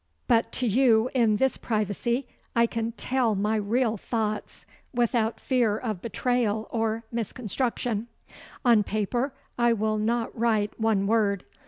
But to you in this privacy I can tell my real thoughts without fear of betrayal or misconstruction. On paper I will not write one word.